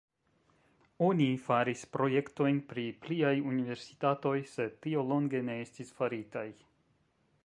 Oni faris projektojn pri pliaj universitatoj, sed tio longe ne estis faritaj.